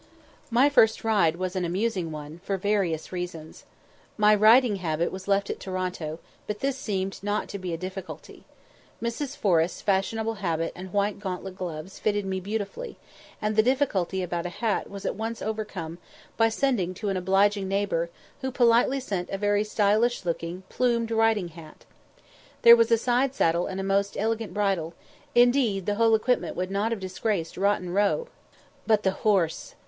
My first ride was an amusing one, for various reasons. My riding habit was left at Toronto, but this seemed not to be a difficulty. Mrs. Forrest's fashionable habit and white gauntlet gloves fitted me beautifully; and the difficulty about a hat was at once overcome by sending to an obliging neighbour, who politely sent a very stylish looking plumed riding hat. There was a side saddle and a most elegant bridle; indeed, the whole equipment would not have disgraced Rotten Row. But, the horse!